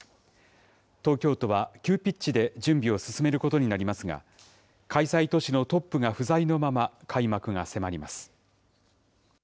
東京都は急ピッチで準備を進めることになりますが、開催都市のトップが不在のまま、開幕が迫ります。